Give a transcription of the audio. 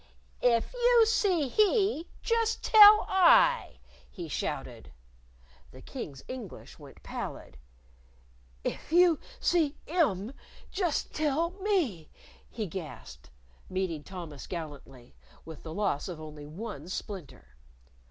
"If you see he, just tell I!" he shouted. The King's English went pallid. "If you see 'im, just tell me," he gasped, meeting Thomas gallantly with the loss of only one splinter.